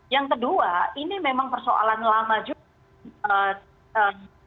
yang kedua ini memang persoalan lama juga